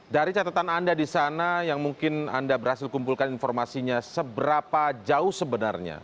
dari catatan anda di sana yang mungkin anda berhasil kumpulkan informasinya seberapa jauh sebenarnya